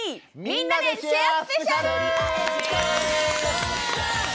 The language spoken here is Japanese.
「みんなでシェアＳＰ」！